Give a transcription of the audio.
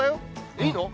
いいの？